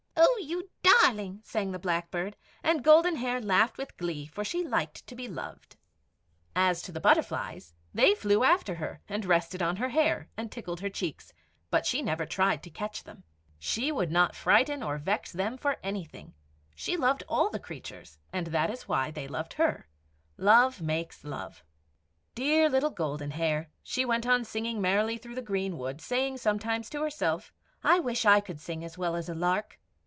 "Oh, you darling," sang the blackbird; and Golden Hair laughed with glee, for she liked to be loved. [Illustration: LITTLE GOLDEN HAIR.] As to the butterflies, they flew after her, and rested on her hair, and tickled her cheeks; but she never tried to catch them. [Illustration: GOLDEN HAIR PEEPING INTO THE BEARS' HOUSE.] She would not frighten or vex them for anything. She loved all the creatures, and that is why they loved her. Love makes love. Dear little Golden Hair, she went on singing merrily through the greenwood, saying sometimes to herself "I wish I could sing as well as the lark!"